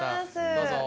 どうぞ。